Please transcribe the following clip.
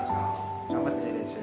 頑張ってね練習。